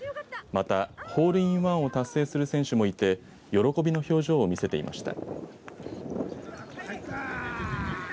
またホールインワンを達成する選手もいて喜びの表情を見せていました。